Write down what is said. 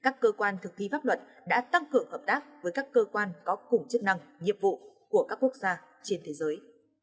các cơ quan thực thi pháp luật đã tăng cường hợp tác với các cơ quan có cùng chức năng nhiệm vụ của các quốc gia trên thế giới